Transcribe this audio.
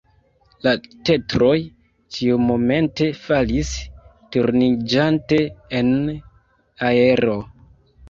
La tetroj ĉiumomente falis, turniĝante en aero.